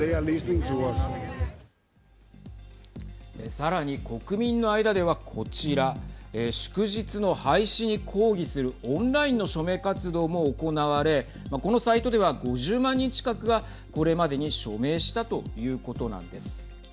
さらに国民の間ではこちら祝日の廃止に抗議するオンラインの署名活動も行われこのサイトでは５０万人近くがこれまでに署名したということなんです。